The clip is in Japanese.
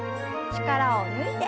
力を抜いて。